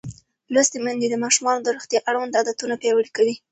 لوستې میندې د ماشومانو د روغتیا اړوند عادتونه پیاوړي کوي.